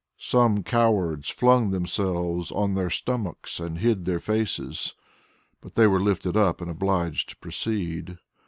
Some cowards flung themselves on their stomachs and hid their faces, but they were lifted up and obliged to proceed.